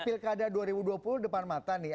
pilkada dua ribu dua puluh depan mata nih